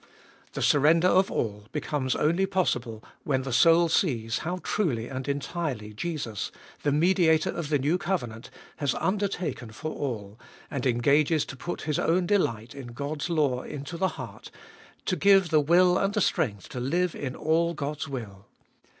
The surrender of all becomes only possible when the soul sees how truly and entirely Jesus, the Mediator of the new covenant, has undertaken for all, and engages to put His own delight in God's law into the heart, to give the will and the strength to live in all God's will.